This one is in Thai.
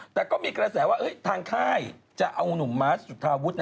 แต่ก็มีกระแสว่าทางค่ายจะเอานุ่มมาสจุธาวุฒิ